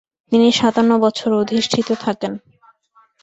তিনি সাতান্ন বছর অধিষ্ঠিত থাকেন।